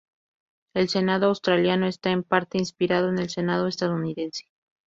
El Senado australiano está en parte inspirado en el Senado estadounidense.